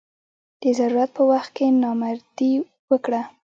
د ضرورت په وخت کې نامردي وکړه.